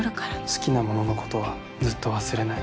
好きなもののことはずっと忘れない。